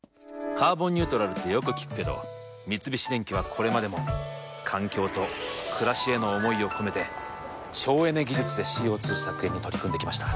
「カーボンニュートラル」ってよく聞くけど三菱電機はこれまでも環境と暮らしへの思いを込めて省エネ技術でＣＯ２削減に取り組んできました。